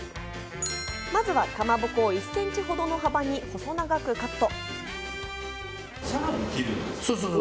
まずは、かまぼこを１センチほどの幅に細長くカット。